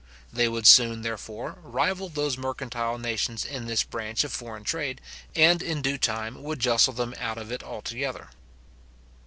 They would soon, therefore, rival those mercantile nations in this branch of foreign trade, and, in due time, would justle them out of it altogether.